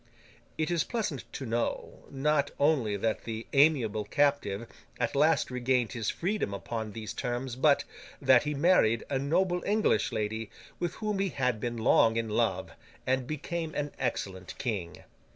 It is pleasant to know, not only that the amiable captive at last regained his freedom upon these terms, but, that he married a noble English lady, with whom he had been long in love, and became an excellent King.